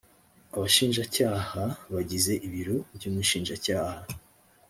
abashinjacyaha bagize ibiro by umushinjacyaha